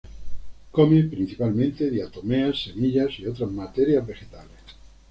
Come principalmente diatomeas, semillas y otras materias vegetales.